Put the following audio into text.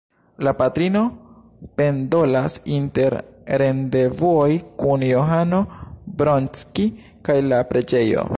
La patrino pendolas inter rendevuoj kun Johano Bronski kaj la preĝejo.